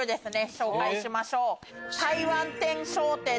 紹介しましょう。